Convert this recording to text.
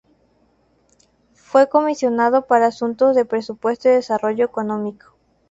Fue comisionado para asuntos de presupuesto y desarrollo económico.